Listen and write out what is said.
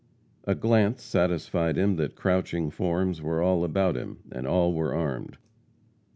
A glance satisfied him that crouching forms were all about him, and all were armed.